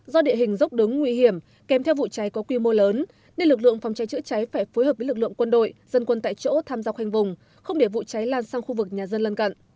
do địa hình dốc đứng nguy hiểm kèm theo vụ cháy có quy mô lớn nên lực lượng phòng cháy chữa cháy phải phối hợp với lực lượng quân đội dân quân tại chỗ tham dọc hành vùng không để vụ cháy lan sang khu vực nhà dân lân cận